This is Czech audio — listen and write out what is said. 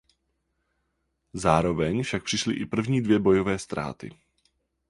Zároveň však přišly i první dvě bojové ztráty.